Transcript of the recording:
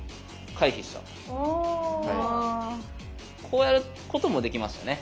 こうやることもできましたね。